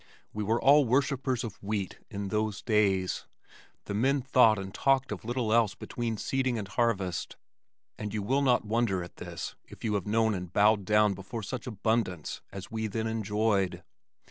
We were all worshippers of wheat in those days. The men thought and talked of little else between seeding and harvest, and you will not wonder at this if you have known and bowed down before such abundance as we then enjoyed.